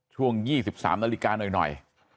ช่วง๒๓นาฬิกาหน่อย